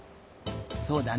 そうだね